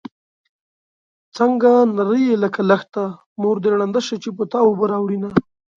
څنګه نرۍ يې لکه لښته مور دې ړنده شه چې په تا اوبه راوړينه